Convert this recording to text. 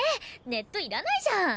ネットいらないじゃん。